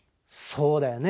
そうだよね。